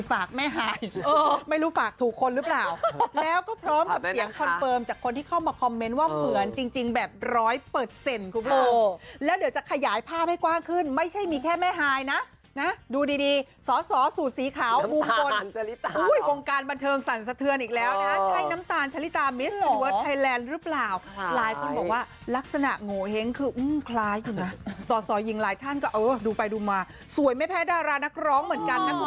ฝากแม่ฮายไม่รู้ฝากถูกคนหรือเปล่าแล้วก็พร้อมกับเสียงคอนเฟิร์มจากคนที่เข้ามาคอมเมนต์ว่าเผือนจริงจริงแบบร้อยเปิดเซ็นต์ครับเราแล้วเดี๋ยวจะขยายภาพให้กว้างขึ้นไม่ใช่มีแค่แม่ฮายนะนะดูดีดีสอสอสูสีขาวมุมกลวงการบันเทิงสั่นสะเทือนอีกแล้วนะใช่น้ำตาลชะลิตามิสเตอร์ดวอร์ด